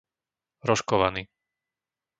Rožkovany